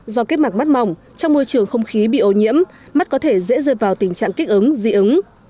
do kết mặt mắt mỏng trong môi trường không khí bị ô nhiễm mắt có thể dễ rơi vào tình trạng kích ứng dị ứng